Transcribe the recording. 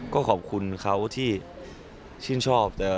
ก็ขอบคุณเขาที่ชื่นชอบ